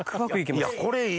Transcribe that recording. いやこれいい。